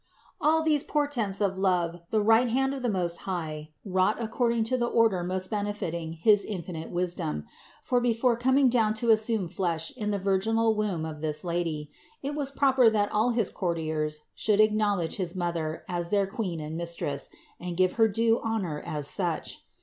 104. All these portents of love the right hand of the Most High wrought according to the order most befit ting his infinite wisdom; for before coming down to assume flesh in the virginal womb of this Lady, it was proper that all his courtiers should acknowledge his Mother as their Queen and Mistress, and give Her due honor as such.